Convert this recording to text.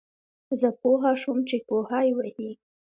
زۀ پوهه شوم چې کوهے وهي